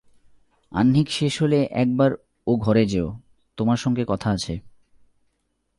আহ্নিক শেষ হলে একবার ও ঘরে যেয়ো– তোমার সঙ্গে কথা আছে।